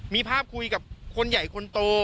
มีภาพคุยกับคนใหญ่คนโต